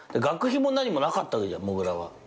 学費もなにもなかったわけじゃんもぐらは。